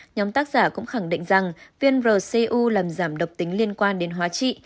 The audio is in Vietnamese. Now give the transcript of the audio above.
nhóm tác giả cũng khẳng định rằng viên rcu làm giảm độc tính liên quan đến hóa trị